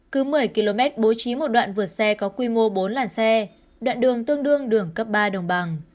cứ một mươi km bố trí một đoạn vượt xe có quy mô bốn làn xe đoạn đường tương đương đường cấp ba đồng bằng